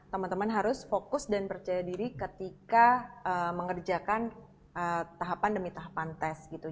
teman teman harus fokus dan percaya diri ketika mengerjakan tahapan demi tahapan tes gitu